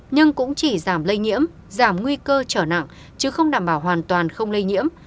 nhưng cũng chỉ giảm lây nhiễm giảm nguy cơ trở nặng chứ không đảm bảo hoàn toàn không lây nhiễm